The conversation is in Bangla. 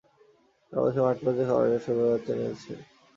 তারা বলছে, মাঠপর্যায়ে খামারিরা শুভ্রার বাচ্চা নিতে উৎসাহ দেখাননি।